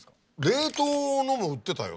冷凍のも売ってたよ